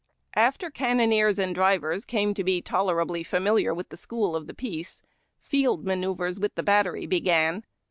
After cannoneers and drivers came to be tolerably familiar with the school of the [)iece, field manoeuvres with the bat tery began.